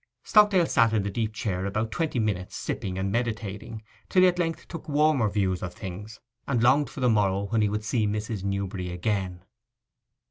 Stockdale sat in the deep chair about twenty minutes sipping and meditating, till he at length took warmer views of things, and longed for the morrow, when he would see Mrs. Newberry again.